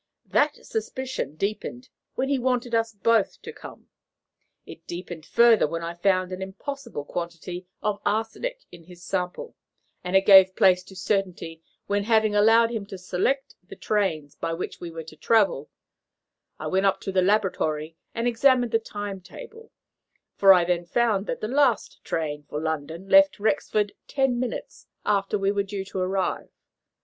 That suspicion deepened when he wanted us both to come. It deepened further when I found an impossible quantity of arsenic in his sample, and it gave place to certainty when, having allowed him to select the trains by which we were to travel, I went up to the laboratory and examined the time table; for I then found that the last train for London left Rexford ten minutes after we were due to arrive.